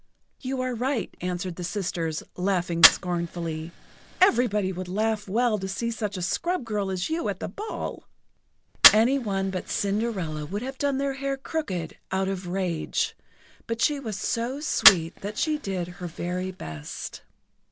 "You are right," answered the sisters, laughing scornfully. "Everybody would laugh well to see such a scrub girl as you at the ball!" Any one but Cinderella would have done their hair crooked out of rage, but she was so sweet that she did her very best.